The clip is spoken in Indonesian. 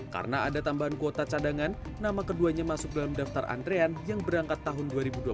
karena ada tambahan kuota cadangan nama keduanya masuk dalam daftar antrean yang berangkat tahun dua ribu dua puluh tiga